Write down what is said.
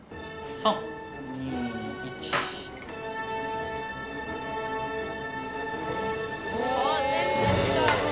ああ全然違う。